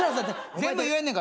全部言えんねん。